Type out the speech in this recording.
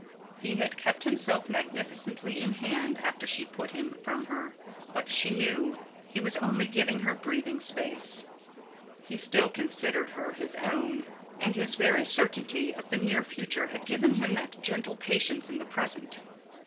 He had kept himself magnificently in hand after she put him from her, but she knew he was only giving her breathing space. He still considered her his own, and his very certainty of the near future had given him that gentle patience in the present.